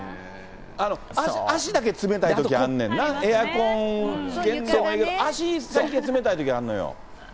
足だけ冷たいときあんねんな、エアコンつけんでもええけど、足だけ冷たいときあんのよ。